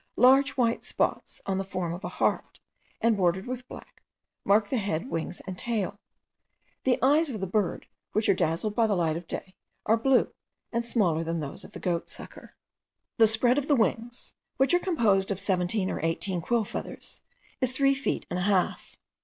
Large white spots of the form of a heart, and bordered with black, mark the head, wings, and tail. The eyes of the bird, which are dazzled by the light of day, are blue, and smaller than those of the goatsucker. The spread of the wings, which are composed of seventeen or eighteen quill feathers, is three feet and a half.